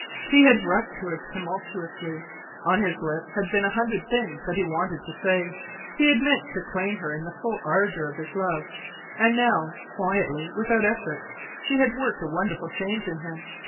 He had rushed to her tumultuously. On his lips had been a hundred things that he had wanted to say. He had meant to claim her in the full ardour of his love and now, quietly, without effort, she had worked a wonderful change in him.